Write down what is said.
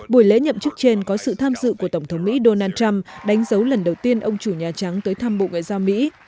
buổi lễ nhậm chức trên có sự tham dự của tổng thống mỹ donald trump đánh dấu lần đầu tiên ông chủ nhà trắng tới thăm bộ ngoại giao mỹ